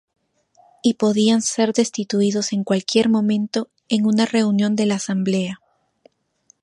Y podían ser destituidos en cualquier momento en una reunión de la Asamblea.